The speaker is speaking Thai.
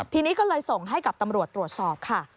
ทีนี้ก็เลยส่งให้กับตำรวจตรวจสอบค่ะ